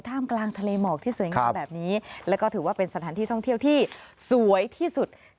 กลางทะเลหมอกที่สวยงามแบบนี้แล้วก็ถือว่าเป็นสถานที่ท่องเที่ยวที่สวยที่สุด